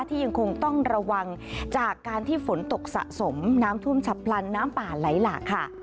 ยังคงต้องระวังจากการที่ฝนตกสะสมน้ำท่วมฉับพลันน้ำป่าไหลหลากค่ะ